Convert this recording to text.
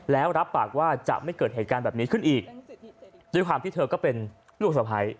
แล้วรับปากว่าจะไม่เกิดเหตุการณ์แบบนี้ขึ้นอีกด้วยความที่เธอก็เป็นลูกสะพ้าย